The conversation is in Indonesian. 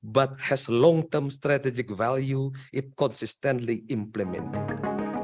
tapi memiliki nilai strategis yang panjang jika diimplementasikan konsisten